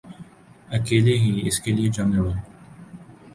اکیلے ہی اس کیلئے جنگ لڑو